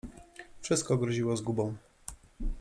Wszystko groziło zgubą.